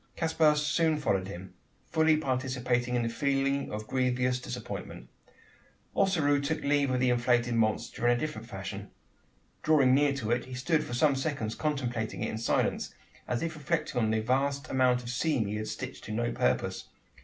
Caspar soon followed him fully participating in the feeling of grievous disappointment. Ossaroo took leave of the inflated monster in a different fashion. Drawing near to it, he stood for some seconds contemplating it in silence as if reflecting on the vast amount of seam he had stitched to no purpose.